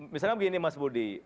misalnya gini mas budi